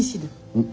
うん。